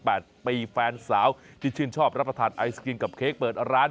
แปดปีแฟนสาวที่ชื่นชอบรับประทานไอศครีมกับเค้กเปิดร้าน